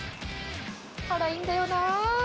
辛いんだよな。